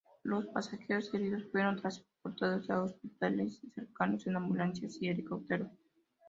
Los pasajeros heridos fueron transportados a hospitales cercanos en ambulancias y helicópteros.